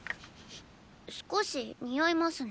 少し臭いますね。